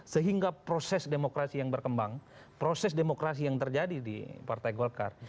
sehingga proses demokrasi yang berkembang proses demokrasi yang terjadi di partai golkar